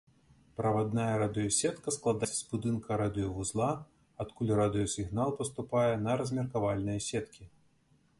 Правадная радыёсетка складаецца з будынка радыёвузла, адкуль радыёсігнал паступае на размеркавальныя сеткі.